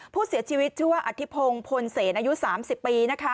ผู้เสียชีวิตชื่อว่าอธิพงศ์พลเสนอายุ๓๐ปี